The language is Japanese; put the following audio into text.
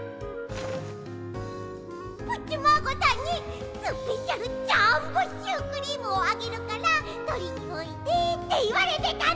プッチマーゴさんに「スペシャルジャンボシュークリームをあげるからとりにおいで」っていわれてたんだった！